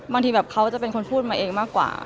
บางทีแบบเค้าจะคุณจะคุณมาเองมากกว่า